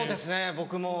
僕も。